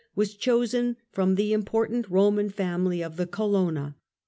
was chosen from the important Eoman family of the Colonna.